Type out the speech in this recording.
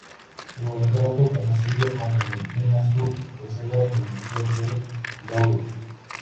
Su retrato, conocido como "El niño azul", se conserva en el Museo del Louvre.